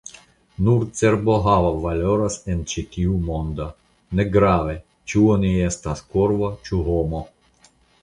Nur cerbohavo valoras en ĉi tiu mondo, negrave ĉu oni estas korvo ĉu homo.